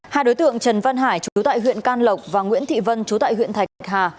hai đối tượng trần văn hải chú tại huyện can lộc và nguyễn thị vân chú tại huyện thạch hà